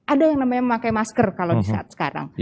ada yang namanya memakai masker kalau di saat sekarang